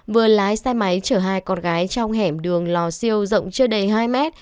vừa lái xe máy chở hai con gái trong hẻm đường lò siêu rộng chưa đầy hai mét